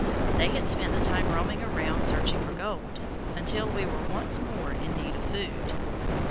They had spent the time roaming around searching for gold, until we were once more in need of food.